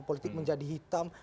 politik menjadi hitam